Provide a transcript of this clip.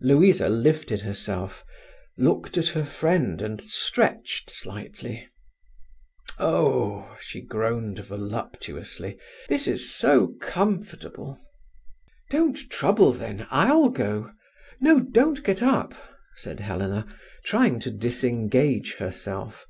Louisa lifted herself, looked at her friend, and stretched slightly. "Oh!" she groaned voluptuously. "This is so comfortable!" "Don't trouble then, I'll go. No, don't get up," said Helena, trying to disengage herself.